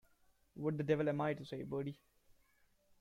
What the devil am I to say, Bertie?